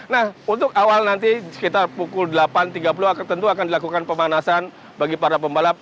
nah untuk awal nanti sekitar pukul delapan tiga puluh akan tentu akan dilakukan pemanasan bagi para pembalap